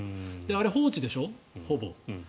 あれ放置でしょ、ほぼ。